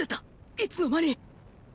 いつのまに？